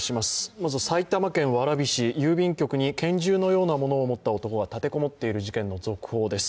まずは埼玉県蕨市、郵便局に拳銃のようなものを持った男が立て籠もっている事件の続報です。